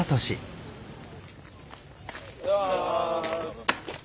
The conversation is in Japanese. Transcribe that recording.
おはようございます。